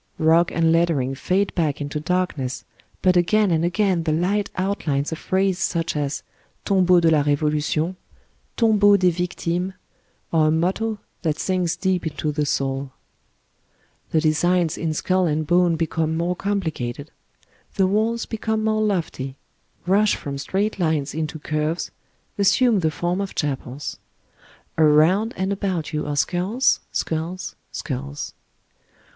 Rock and lettering fade back into darkness, but again and again the light outlines a phrase such as ^ Tombgau de la Revolution^* ^^ Tombeau dit Victimes^* or a motto that sinks deep into the soul. The designs in skull and bone become more complicated. The walls become more lofty, rush from straight lines into curves, assume the form of chapels. Around and about you are skulls, skulls, skulls.